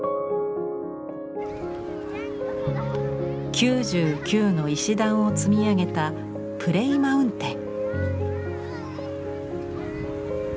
９９の石段を積み上げた「プレイマウンテン」。